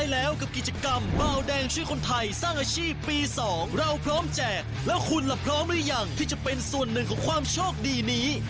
แล้วคุณล่ะพร้อมหรือยังที่จะเป็นส่วนหนึ่งของความโชคดีนี้